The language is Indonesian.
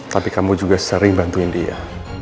tapi kamu juga sering bantuin dia